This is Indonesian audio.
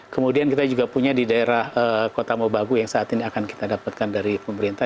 kemudian kita juga punya di daerah kota mobagu yang saat ini akan kita dapatkan dari pemerintah